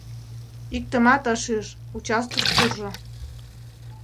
Иктымат ыш ӱж, участкыш куржо.